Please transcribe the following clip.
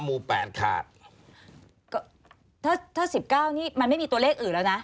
หมู่แปดขาดก็ถ้าถ้าสิบเก้านี่มันไม่มีตัวเลขอื่นแล้วนะ